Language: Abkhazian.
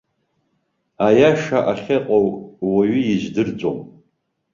Аиашаахьыҟоу уаҩы издырӡом.